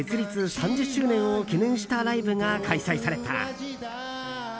３０周年を記念したライブが開催された。